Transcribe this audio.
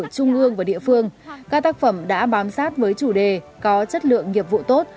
các tác phẩm đã bám sát với chủ đề có chất lượng nghiệp vụ tốt